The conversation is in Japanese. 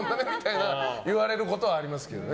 言われることはありますけどね。